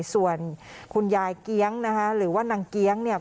ส่วนคุณยายเกี๊ยงนะคะหรือว่านางเกี้ยงเนี่ย